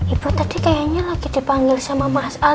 ibu tadi kayaknya lagi dipanggil sama mas a